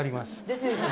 ですよね。